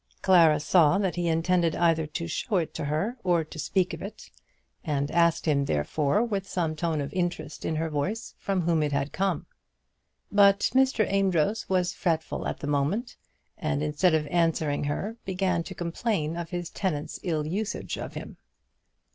Clara saw that he intended either to show it to her or to speak of it, and asked him therefore, with some tone of interest in her voice, from whom it had come. But Mr. Amedroz was fretful at the moment, and instead of answering her began to complain of his tenant's ill usage of him.